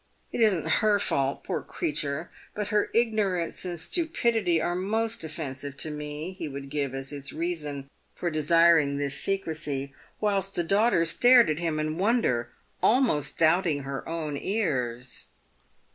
" It isn't her fault, poor creature, but her ignorance and stupidity are most offensive to me," he would give as his reason for desiring this secrecy, whilst the daugh ter stared at him in wonder, almost doubting her own ears.